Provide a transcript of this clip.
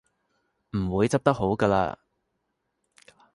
唔會執得好嘅喇